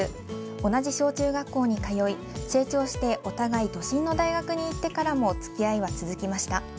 同じ小中学校に通い、成長してお互い都心の大学に行ってからもつきあいは続きました。